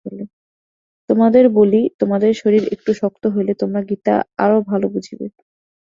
তোমাদের বলি, তোমাদের শরীর একটু শক্ত হইলে তোমরা গীতা আরও ভাল বুঝিবে।